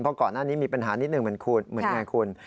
เพราะก่อนหน้านี้มีปัญหานิดหนึ่งเหมือนคุณ